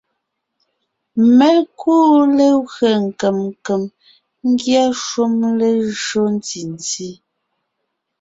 Mé kúu legwé nkèm nkèm ngyɛ́ shúm lejÿo ntí nti;